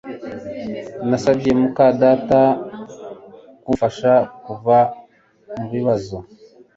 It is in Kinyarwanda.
Nasabye muka data kumfasha kuva mubibazo